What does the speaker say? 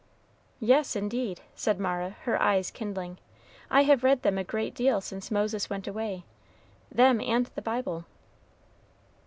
"Yes, indeed," said Mara, her eyes kindling; "I have read them a great deal since Moses went away them and the Bible."